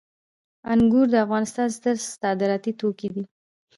انګور د افغانستان ستر صادراتي توکي دي